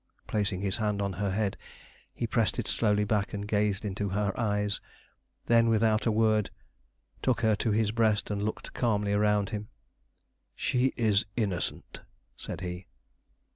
placing his hand on her head, he pressed it slowly back and gazed into her eyes; then, without a word, took her to his breast and looked calmly around him. "She is innocent!" said he.